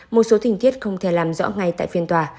một số tình tiết không thể làm rõ ngay tại phiên tòa